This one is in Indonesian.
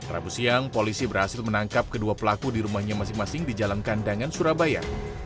rabu siang polisi berhasil menangkap kedua pelaku di rumahnya masing masing di jalan kandangan surabaya